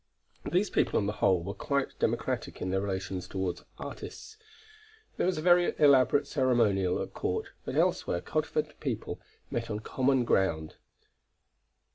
These people on the whole were quite democratic in their relations toward artists. There was a very elaborate ceremonial at court, but elsewhere, cultivated people met on common ground.